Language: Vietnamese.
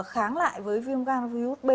kháng lại với viêm gan virus b